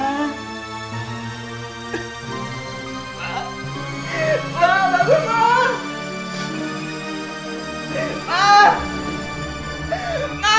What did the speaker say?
ma bangun ma